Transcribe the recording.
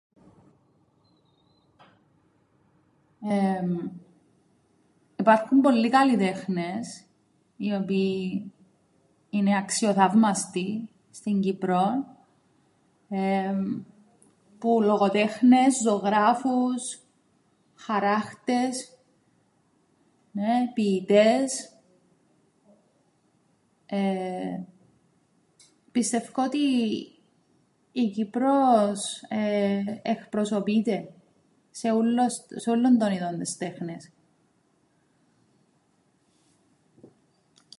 Εμ, υπάρχουν πολλοί καλλιτέχνες, οι οποίοι είναι αξιοθαύμαστοι στην Κύπρον, εμ, που λογοτέχνες, ζωγράφους, χαράκτες, νναι, ποιητές, εε, πιστεύκω ότι η Κύπρος, εε, εκπροσωπείται σε ούλλων των ειδών τες τέχνες.